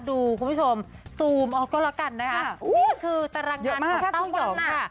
ดูคุณผู้ชมซูมออกก็แล้วกันนะคะอู๋นี่คือตารางการที่เต้าหย่องค่ะ